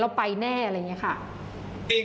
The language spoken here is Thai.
ไปแน่อะไรอย่างนี้ค่ะ